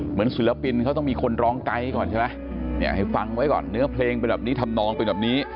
ศิลปินเขาต้องมีคนร้องไกด์ก่อนใช่ไหมให้ฟังไว้ก่อนเนื้อเพลงเป็นแบบนี้ทำนองเป็นแบบนี้